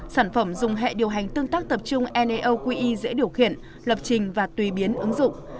sản phẩm dùng hệ điều hành tương tác tập trung neo qi dễ điều khiển lập trình và tùy biến ứng dụng